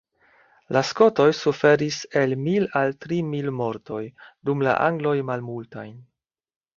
La skotoj suferis el mil al tri mil mortoj, dum la angloj malmultajn.